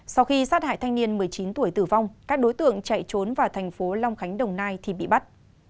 sau khi sát hại thanh niên một mươi chín tuổi tử vong các đối tượng chạy trốn vào thành phố long khánh đồng nai thì bị bắt